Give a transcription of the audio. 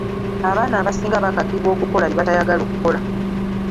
Abaana abasinga bakakibwa okukola bye batayagala okukola.